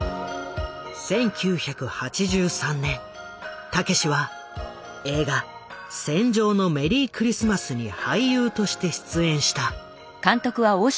１９８３年たけしは映画「戦場のメリークリスマス」に俳優として出演した。